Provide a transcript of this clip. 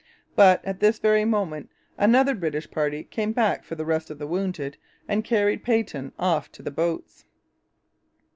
But, at this very moment, another British party came back for the rest of the wounded and carried Peyton off to the boats.